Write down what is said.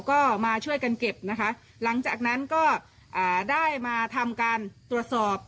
ก็มาช่วยกันเก็บนะคะหลังจากนั้นก็อ่าได้มาทำการตรวจสอบ